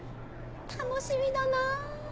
楽しみだなぁ。